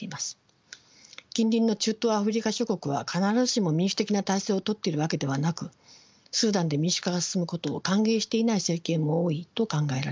近隣の中東アフリカ諸国は必ずしも民主的な体制をとっているわけではなくスーダンで民主化が進むことを歓迎していない政権も多いと考えられます。